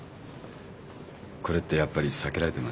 これってやっぱり避けられてます？